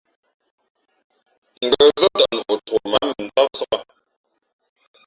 Ngα̌ zά tαʼ noʼ tok mα ǎ mʉndámsāk.